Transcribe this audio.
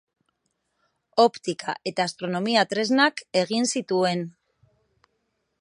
Optika- eta astronomia-tresnak egin zituen.